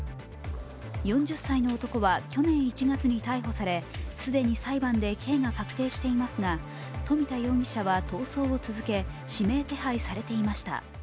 ４０歳の男は去年１月に逮捕され、既に裁判で刑が確定していますが富田容疑者は逃走を続け指名手配されていました。